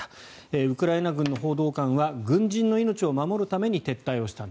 ウクライナ軍の報道官は軍人の命を守るために撤退をしたんだ。